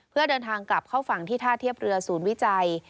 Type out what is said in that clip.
เพื่อเดินทางกลับเข้าฝั่งที่ท่าเทียบเรือศูนย์วิจัย